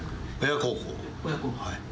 はい。